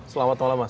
selamat malam mas